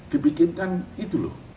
dibikinkan itu loh